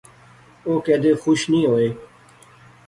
او کیدے خوش نی ہوئے